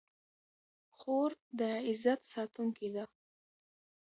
خور د عزت ساتونکې ده.